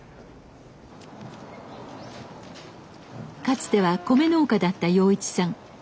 かつては米農家だった洋一さん。